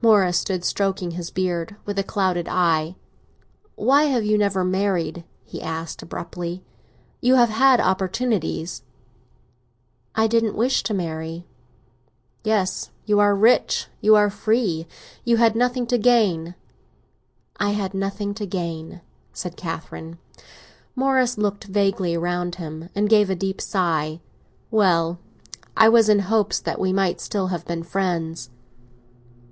Morris stood stroking his beard, with a clouded eye. "Why have you never married?" he asked abruptly. "You have had opportunities." "I didn't wish to marry." "Yes, you are rich, you are free; you had nothing to gain." "I had nothing to gain," said Catherine. Morris looked vaguely round him, and gave a deep sigh. "Well, I was in hopes that we might still have been friends."